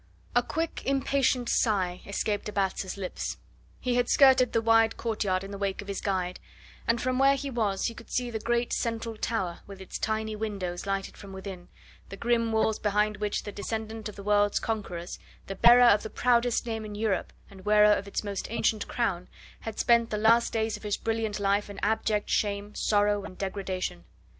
A quick, impatient sigh escaped de Batz' lips. He had skirted the wide courtyard in the wake of his guide, and from where he was he could see the great central tower, with its tiny windows lighted from within, the grim walls behind which the descendant of the world's conquerors, the bearer of the proudest name in Europe, and wearer of its most ancient crown, had spent the last days of his brilliant life in abject shame, sorrow, and degradation.